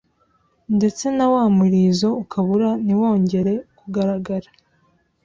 ndetse na wa murizo ukabura ntiwongere kugaragara.